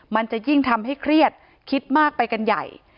มันจะยิ่งทำให้เครียดคิดมากไปกันใหญ่